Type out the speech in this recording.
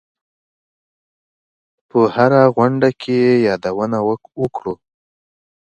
په هره غونډه کې یې یادونه وکړو.